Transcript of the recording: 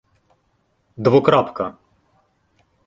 Двокрапка